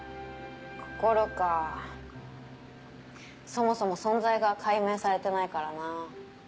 そもそも存在が解明されてないからなぁ。